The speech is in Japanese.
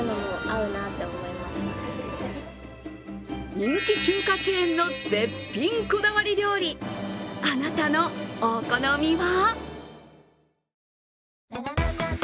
人気中華チェーンの絶品こだわり料理、あなたのお好みは？